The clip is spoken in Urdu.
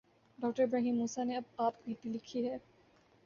ڈاکٹرابراہیم موسی نے آپ بیتی لکھی ہے۔